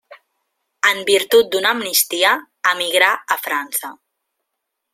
En virtut d'una amnistia, emigrà a França.